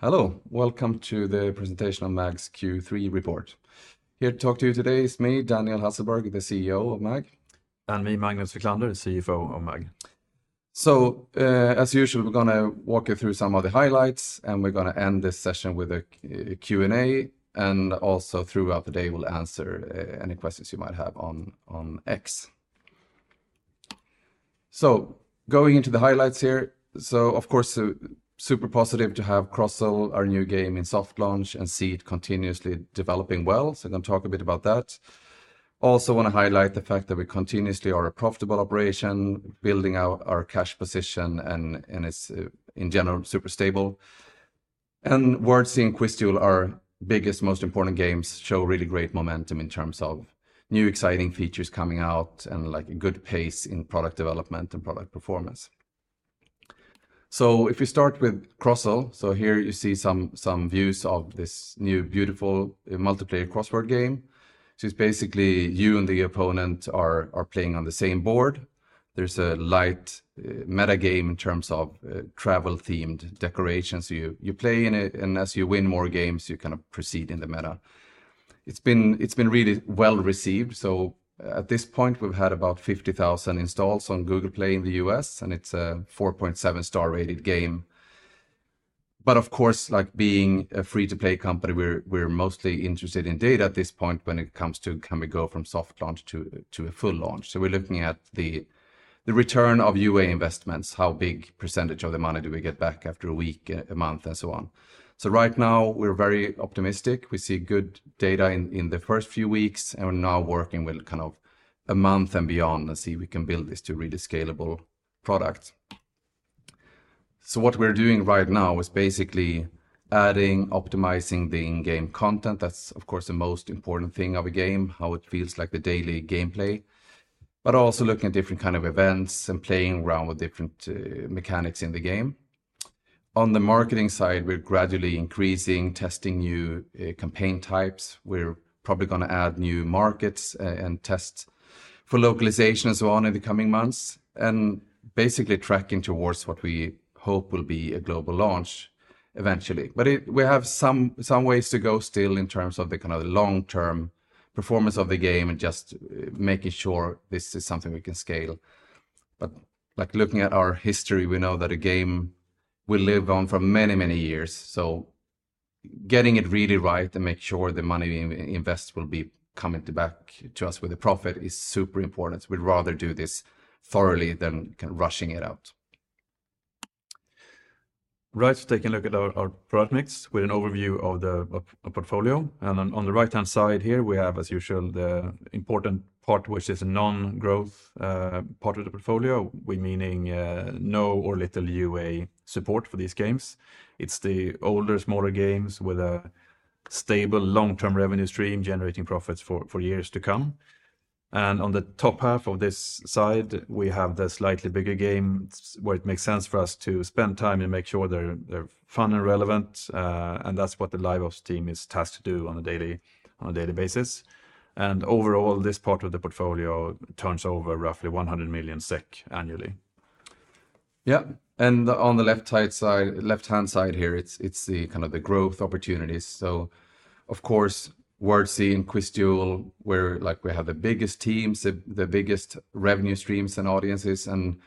Hello, welcome to the presentation on MAG's Q3 report. Here to talk to you today is me, Daniel Hasselberg, the CEO of MAG. Me, Magnus Wiklander, the CFO of MAG. So, as usual, we're going to walk you through some of the highlights, and we're going to end this session with a Q&A, and also throughout the day, we'll answer any questions you might have on X. So, going into the highlights here, so of course, super positive to have Crozzle, our new game, in soft launch and see it continuously developing well. So I'm going to talk a bit about that. Also want to highlight the fact that we continuously are a profitable operation, building out our cash position, and it's in general super stable. And Wordzee and QuizDuel, our biggest, most important games, show really great momentum in terms of new exciting features coming out and like a good pace in product development and product performance. So if we start with Crozzle, so here you see some views of this new, beautiful multiplayer crossword game. So it's basically you and the opponent are playing on the same board. There's a light metagame in terms of travel-themed decorations. You play in it, and as you win more games, you kind of proceed in the meta. It's been really well received. So at this point, we've had about 50,000 installs on Google Play in the U.S., and it's a 4.7-star rated game. But of course, like being a free-to-play company, we're mostly interested in data at this point when it comes to can we go from soft launch to a full launch. So we're looking at the return of UA investments, how big percentage of the money do we get back after a week, a month, and so on. So right now, we're very optimistic. We see good data in the first few weeks, and we're now working with kind of a month and beyond to see if we can build this to really scalable products. So what we're doing right now is basically adding, optimizing the in-game content. That's, of course, the most important thing of a game, how it feels like the daily gameplay. But also looking at different kinds of events and playing around with different mechanics in the game. On the marketing side, we're gradually increasing, testing new campaign types. We're probably going to add new markets and tests for localization and so on in the coming months, and basically tracking towards what we hope will be a global launch eventually. But we have some ways to go still in terms of the kind of long-term performance of the game and just making sure this is something we can scale. But like looking at our history, we know that a game will live on for many, many years. So getting it really right and making sure the money we invest will be coming back to us with a profit is super important. We'd rather do this thoroughly than rushing it out. Right, so taking a look at our product mix with an overview of the portfolio. On the right-hand side here, we have, as usual, the important part, which is a non-growth part of the portfolio, meaning no or little UA support for these games. It's the older, smaller games with a stable, long-term revenue stream generating profits for years to come. On the top half of this side, we have the slightly bigger game, where it makes sense for us to spend time and make sure they're fun and relevant. That's what the LiveOps team is tasked to do on a daily basis. Overall, this part of the portfolio turns over roughly 100 million SEK annually. Yeah, and on the left-hand side here, it's the kind of the growth opportunities. So of course, we're seeing QuizDuel where we have the biggest teams, the biggest revenue streams and audiences, and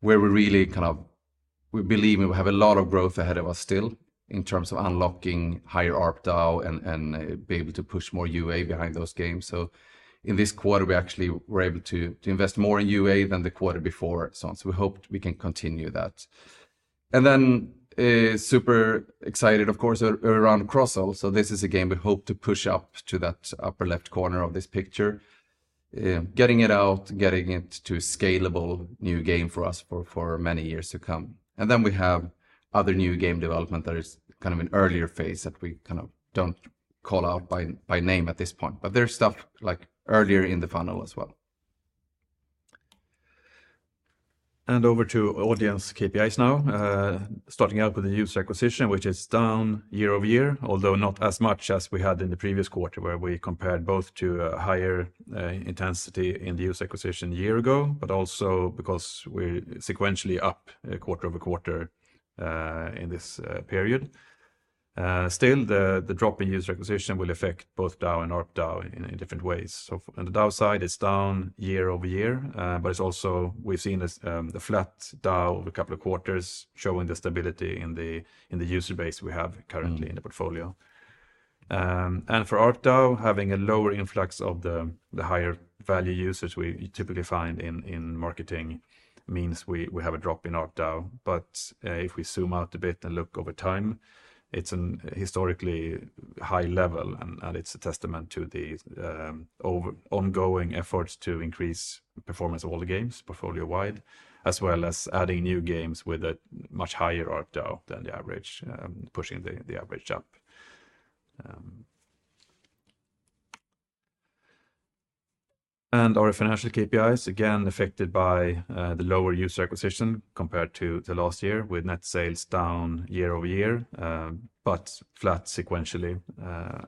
where we really kind of believe we have a lot of growth ahead of us still in terms of unlocking higher ARPDAU and be able to push more UA behind those games. So in this quarter, we actually were able to invest more in UA than the quarter before. So we hope we can continue that. And then super excited, of course, around Crozzle. So this is a game we hope to push up to that upper left corner of this picture, getting it out, getting it to a scalable new game for us for many years to come. We have other new game development that is kind of an earlier phase that we kind of don't call out by name at this point, but there's stuff like earlier in the funnel as well. Over to our KPIs now, starting out with the user acquisition, which is down year-over-year, although not as much as we had in the previous quarter where we compared both to a higher intensity in the user acquisition a year ago, but also because we're sequentially up quarter-over-quarter in this period. Still, the drop in user acquisition will affect both DAU and ARPDAU in different ways. On the DAU side, it's down year-over-year, but it's also we've seen the flat DAU over a couple of quarters, showing the stability in the user base we have currently in the portfolio. For ARPDAU, having a lower influx of the higher-value users we typically find in marketing means we have a drop in ARPDAU. But if we zoom out a bit and look over time, it's a historically high level, and it's a testament to the ongoing efforts to increase performance of all the games portfolio-wide, as well as adding new games with a much higher ARPDAU than the average, pushing the average up. And our financial KPIs, again, affected by the lower user acquisition compared to last year with net sales down year-over-year, but flat sequentially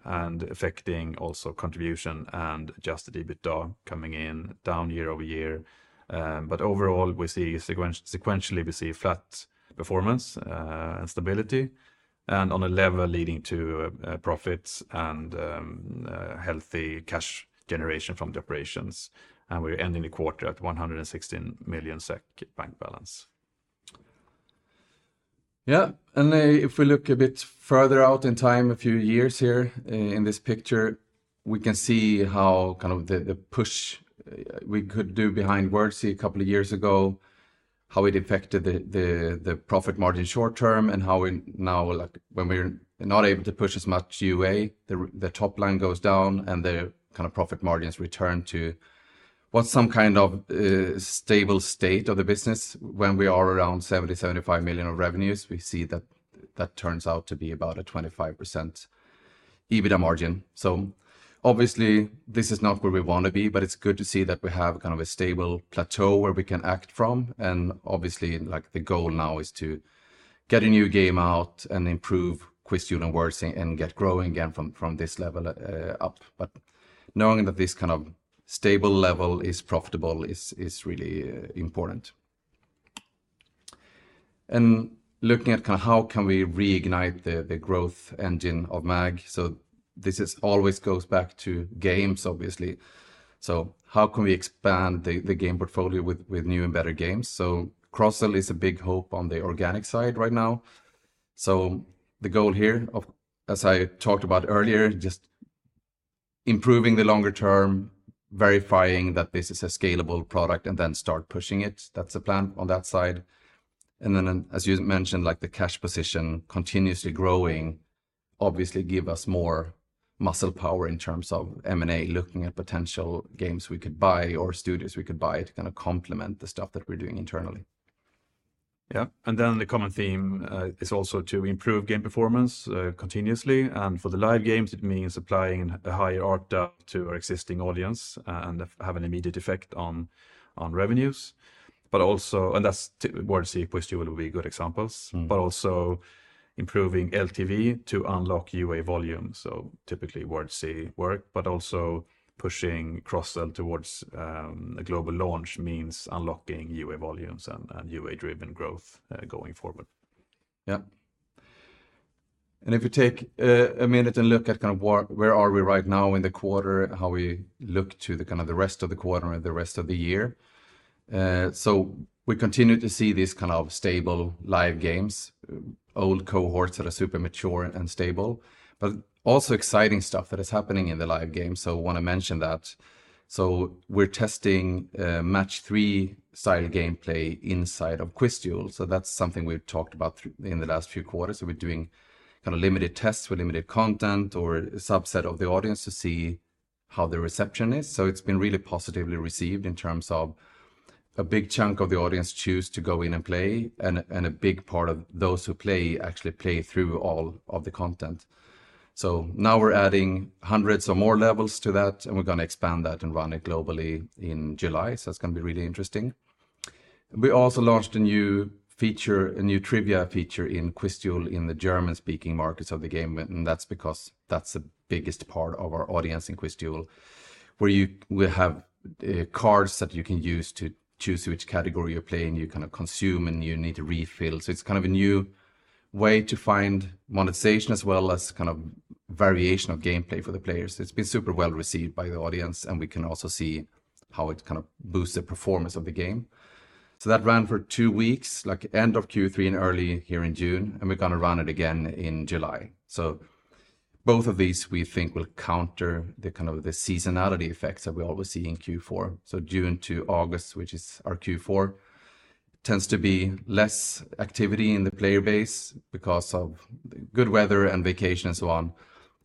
and affecting also contribution and just the EBITDA coming in down year-over-year. But overall, sequentially, we see flat performance and stability and on a level leading to profits and healthy cash generation from the operations. And we're ending the quarter at 116 million SEK bank balance. Yeah, and if we look a bit further out in time, a few years here in this picture, we can see how kind of the push we could do behind Wordzee a couple of years ago, how it affected the profit margin short term and how now when we're not able to push as much UA, the top line goes down and the kind of profit margins return to what's some kind of stable state of the business. When we are around 70 million-75 million of revenues, we see that that turns out to be about a 25% EBITDA margin. So obviously, this is not where we want to be, but it's good to see that we have kind of a stable plateau where we can act from. Obviously, the goal now is to get a new game out and improve QuizDuel and Wordzee and get growing again from this level up. Knowing that this kind of stable level is profitable is really important. Looking at kind of how can we reignite the growth engine of MAG. This always goes back to games, obviously. How can we expand the game portfolio with new and better games? Crozzle is a big hope on the organic side right now. The goal here, as I talked about earlier, just improving the longer term, verifying that this is a scalable product and then start pushing it. That's the plan on that side. And then, as you mentioned, like the cash position continuously growing obviously gives us more muscle power in terms of M&A looking at potential games we could buy or studios we could buy to kind of complement the stuff that we're doing internally. Yeah, and then the common theme is also to improve game performance continuously. And for the live games, it means applying a higher ARPDAU to our existing audience and have an immediate effect on revenues. But also, and that's Wordzee and QuizDuel will be good examples, but also improving LTV to unlock UA volume. So typically Wordzee work, but also pushing Crozzle towards a global launch means unlocking UA volumes and UA-driven growth going forward. Yeah. And if we take a minute and look at kind of where are we right now in the quarter, how we look to the kind of the rest of the quarter and the rest of the year. So we continue to see these kinds of stable live games, old cohorts that are super mature and stable, but also exciting stuff that is happening in the live game. So I want to mention that. So we're testing match-3 style gameplay inside of QuizDuel. So that's something we've talked about in the last few quarters. So we're doing kind of limited tests with limited content or a subset of the audience to see how the reception is. So it's been really positively received in terms of a big chunk of the audience choose to go in and play, and a big part of those who play actually play through all of the content. So now we're adding hundreds or more levels to that, and we're going to expand that and run it globally in July. So it's going to be really interesting. We also launched a new feature, a new trivia feature in QuizDuel in the German-speaking markets of the game. And that's because that's the biggest part of our audience in QuizDuel, where you will have cards that you can use to choose which category you're playing. You kind of consume, and you need to refill. So it's kind of a new way to find monetization as well as kind of variation of gameplay for the players. It's been super well-received by the audience, and we can also see how it kind of boosts the performance of the game. So that ran for 2 weeks, like end of Q3 and early here in June, and we're going to run it again in July. So both of these, we think, will counter the kind of seasonality effects that we always see in Q4. So June to August, which is our Q4, tends to be less activity in the player base because of good weather and vacation, and so on.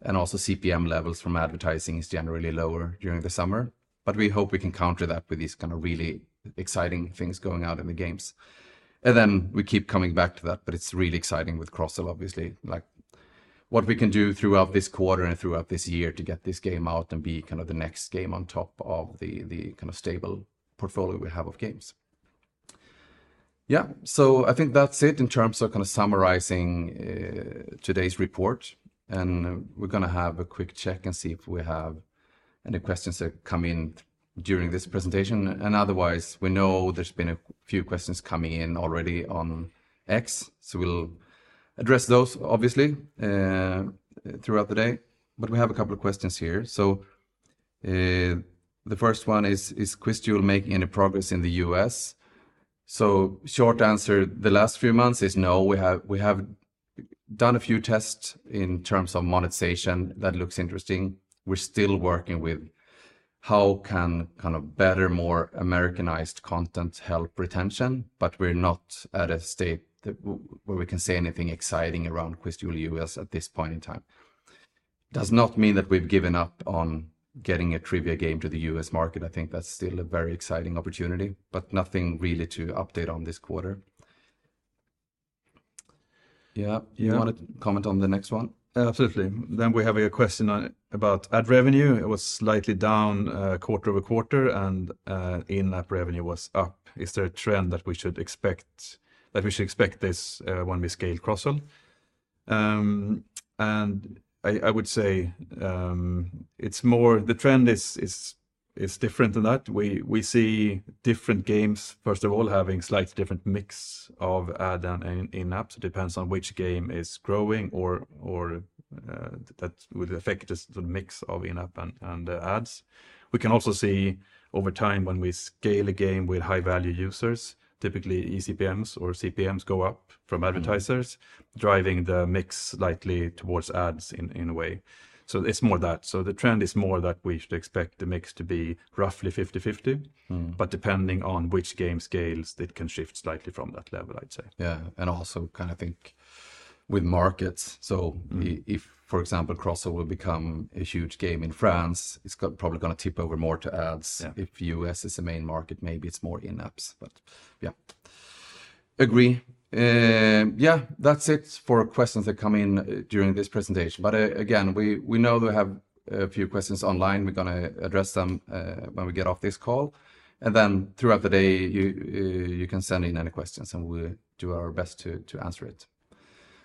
And also, CPM levels from advertising is generally lower during the summer. But we hope we can counter that with these kinds of really exciting things going out in the games. And then we keep coming back to that, but it's really exciting with Crozzle, obviously, like what we can do throughout this quarter and throughout this year to get this game out and be kind of the next game on top of the kind of stable portfolio we have of games. Yeah, so I think that's it in terms of kind of summarizing today's report. And we're going to have a quick check and see if we have any questions that come in during this presentation. And otherwise, we know there's been a few questions coming in already on X. So we'll address those, obviously, throughout the day. But we have a couple of questions here. So the first one is, is QuizDuel making any progress in the U.S.? So short answer, the last few months is no. We have done a few tests in terms of monetization that looks interesting. We're still working with how can kind of better, more Americanized content help retention, but we're not at a state where we can say anything exciting around QuizDuel U.S. at this point in time. Does not mean that we've given up on getting a trivia game to the U.S. market. I think that's still a very exciting opportunity, but nothing really to update on this quarter. Yeah, do you want to comment on the next one? Absolutely. Then we have a question about ad revenue. It was slightly down quarter-over-quarter, and in-app revenue was up. Is there a trend that we should expect that we should expect this when we scale Crozzle? And I would say it's more the trend is different than that. We see different games, first of all, having slightly different mix of ad and in-app. It depends on which game is growing or that would affect the mix of in-app and ads. We can also see over time when we scale a game with high-value users, typically eCPMs or CPMs go up from advertisers, driving the mix slightly towards ads in a way. So it's more that. So the trend is more that we should expect the mix to be roughly 50/50, but depending on which game scales, it can shift slightly from that level, I'd say. Yeah, and also kind of think with markets. So if, for example, Crozzle will become a huge game in France, it's probably going to tip over more to ads. If U.S. is the main market, maybe it's more in-apps, but yeah. Agree. Yeah, that's it for questions that come in during this presentation. But again, we know we have a few questions online. We're going to address them when we get off this call. And then throughout the day, you can send in any questions, and we'll do our best to answer it.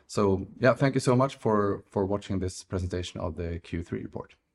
So yeah, thank you so much for watching this presentation of the Q3 report. Thank you.